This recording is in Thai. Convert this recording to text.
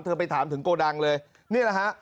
ไปถามถึงโกดังเลยนี่แหละฮะ